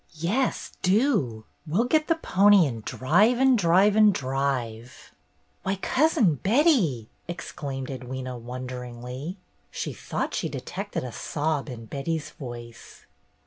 "Yes, do. We'll get the pony and drive and drive and drive!" "Why, Cousin Betty!" exclaimed Edwyna, wonderingly. She thought she detected a sob in Betty's voice.